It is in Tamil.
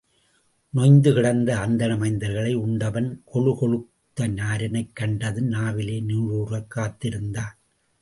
நொய்ந்து கிடந்த அந்தண மைந்தர்களை உண்டவன் கொழு கொழுத்த நரனைக் கண்டதும் நாவில் நீர் ஊறக் காத்து இருந்தான்.